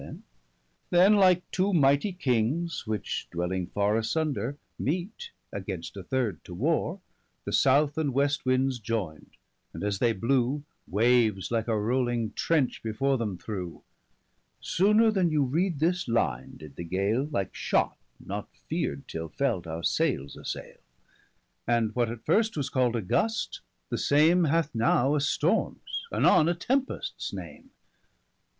Then like two mighty Kings, which dwelling farre 25 Asunder, meet against a third to warre, The South and West winds joyn'd, and, as they blew, Waves like a rowling trench before them threw. Sooner then you read this line, did the gale, Like shot, not fear'd till felt, our sailes assaile; 30 And what at first was call'd a gust, the same Hath now a stormes, anon a tempests name.